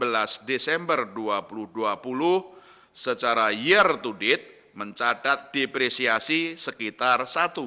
dengan perkembangan ini rupiah sampai dengan enam belas desember dua ribu dua puluh secara year to date mencatat depresiasi sekitar satu tujuh puluh dua